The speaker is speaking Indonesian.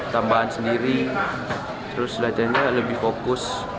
tambahan sendiri terus latihannya lebih fokus